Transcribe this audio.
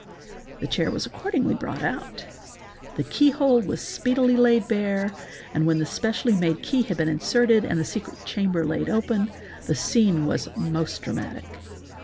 The chair was accordingly 7 brought out. The keyhole was speedily laid bare, and when the specially made key had been inserted and the secret chamber laid open, the scene _ was most dramatic.